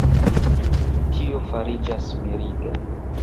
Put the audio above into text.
Tio fariĝas miriga.